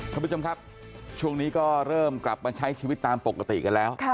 ท่านผู้ชมครับช่วงนี้ก็เริ่มกลับมาใช้ชีวิตตามปกติกันแล้ว